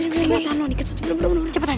cepetan cepetan cepetan